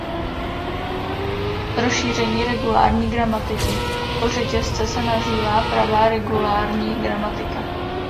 Rozšíření regulární gramatiky o řetězce se nazývá pravá regulární gramatika.